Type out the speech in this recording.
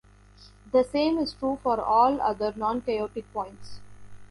The same is true for all other non-chaotic points.